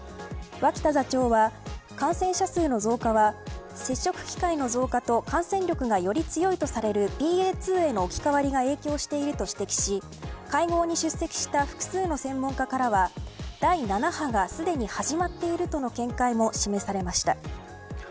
脇田座長は感染者数の増加は接触機会の増加と感染力がより強いとされるＢＡ．２への置き換わりが影響していると指摘し、会合に出席した複数の専門家からは第７波がすでに始まっているとの見解も示されました。